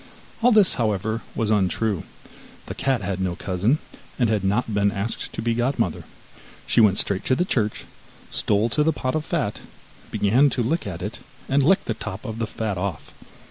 All this, however, was untrue; the cat had no cousin, and had not been asked to be godmother. She went straight to the church, stole to the pot of fat, began to lick at it, and licked the top of the fat off.